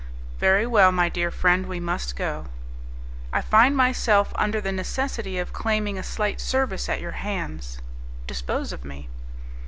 "Very well, my dear friend, we must go." "I find myself under the necessity of claiming a slight service at your hands." "Dispose of me."